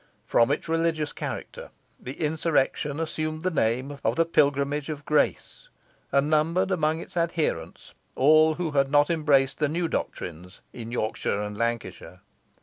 From its religious character the insurrection assumed the name of the Pilgrimage of Grace, and numbered among its adherents all who had not embraced the new doctrines in Yorkshire and Lancashire.